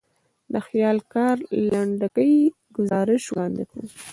د خپل کار لنډکی ګزارش وړاندې کړ.